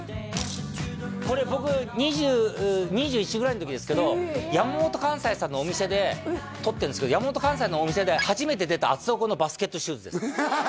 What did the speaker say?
これ僕２１ぐらいの時ですけど山本寛斎さんのお店で撮ってるんですけど山本寛斎のお店で初めて出た厚底のバスケットシューズです